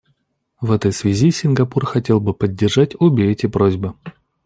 В этой связи Сингапур хотел бы поддержать обе эти просьбы.